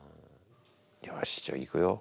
よしじゃあいくよ。